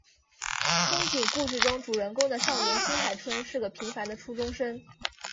憧憬故事中主人公的少年新海春是个平凡的初中生。